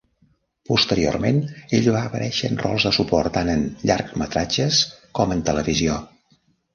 Posteriorment, ell va aparèixer en rols de suport tant en llargmetratges com en televisió.